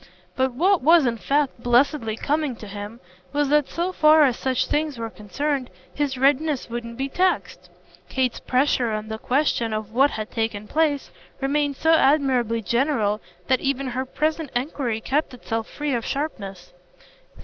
But what was in fact blessedly coming to him was that so far as such things were concerned his readiness wouldn't be taxed. Kate's pressure on the question of what had taken place remained so admirably general that even her present enquiry kept itself free of sharpness.